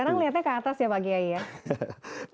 karena melihatnya ke atas ya pak giyai